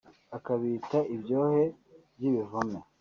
akabita ibyohe by’ibivume